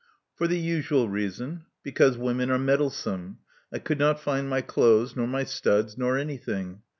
For the usual reason — because women are meddle some. I could not find my clothes, nor my studs, nor anything.